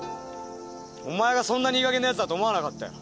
お前がそんなにいいかげんなヤツだと思わなかったよ。